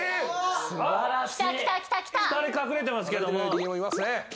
２人隠れてますけども。